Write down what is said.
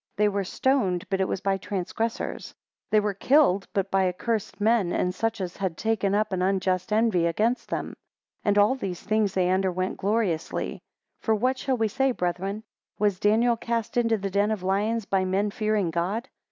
6 They were stoned, but it was by transgressors. 7 They were killed, but by accursed men, and such as had taken up an unjust envy against them. 8 And all these things they underwent gloriously. 9 For what shall we say, brethren? Was Daniel cast into the den of lions, by men fearing God?